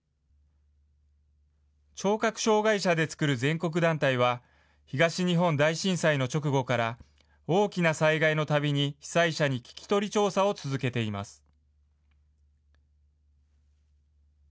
聴覚障害者で作る全国団体は、東日本大震災の直後から、大きな災害のたびに、被災者に聞き取り調査を続けています。